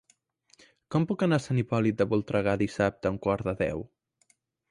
Com puc anar a Sant Hipòlit de Voltregà dissabte a un quart de deu?